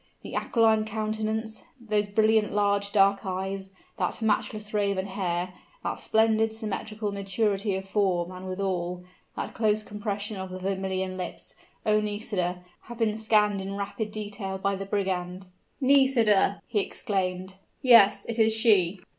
The aquiline countenance, those brilliant large, dark eyes, that matchless raven hair, that splendid symmetrical maturity of form, and withal, that close compression of the vermilion lips, O Nisida! have been scanned in rapid detail by the brigand! "Nisida!" he exclaimed; "Yes, it is she!"